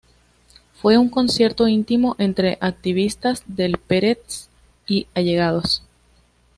Fue un concierto íntimo, entre activistas del Peretz y allegados.